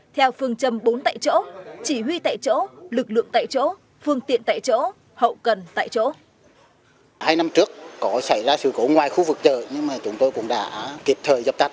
theo phương châm bốn tại chỗ chỉ huy tại chỗ lực lượng tại chỗ phương tiện tại chỗ hậu cần tại chỗ